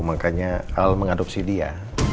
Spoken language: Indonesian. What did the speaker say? makanya al mengadopsi dia